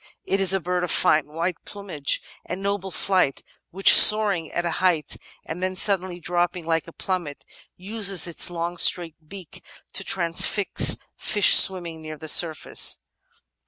It is a bird of fine white plmnage and noble flight, which, soaring at a height and then suddenly dropping like a plmnmet, uses its long straight beak to transfix fish swimming near the surface.